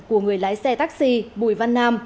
của người lái xe taxi bùi văn nam